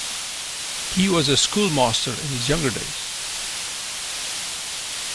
He was a schoolmaster in his younger days.